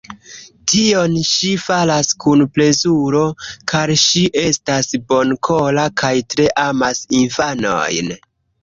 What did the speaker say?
Tion ŝi faras kun plezuro, ĉar ŝi estas bonkora kaj tre amas infanojn.